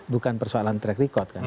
bukan persoalan track record kan